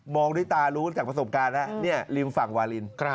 องด้วยตารู้จากประสบการณ์แล้วนี่ริมฝั่งวาลิน